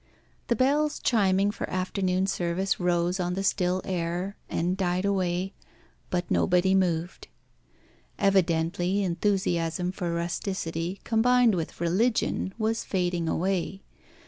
The bells chiming for afternoon service rose on the still air, and died away; but nobody moved. Evidently enthusiasm for rusticity combined with religion was fading away.